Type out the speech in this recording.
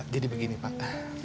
jadi begini pak